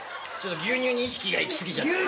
牛乳に意識がいき過ぎちゃって。